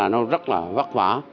nó rất là vất vả